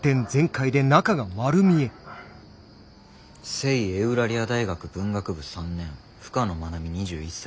聖エウラリア大学文学部３年深野愛美２１歳。